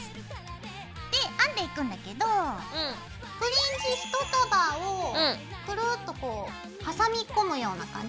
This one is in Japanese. で編んでいくんだけどフリンジ１束をクルッとこう挟み込むような感じ